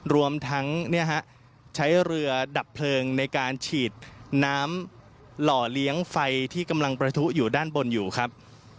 รวมทั้งใช้เรือดับเพลิงในการฉีดน้ำหล่อเลี้ยงไฟที่กำลังประทุอยู่ด้านบนอยู่ครับ